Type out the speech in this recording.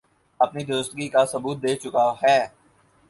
اپنی درستگی کا ثبوت دے چکا ہے